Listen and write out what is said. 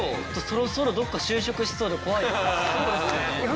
そろそろどこか就職しそうで怖いですね。